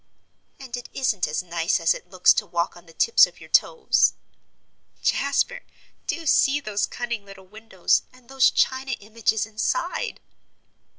"And it isn't as nice as it looks to walk on the tips of your toes. Jasper, do see those cunning little windows and those china images inside!"